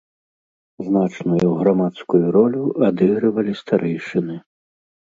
Значную грамадскую ролю адыгрывалі старэйшыны.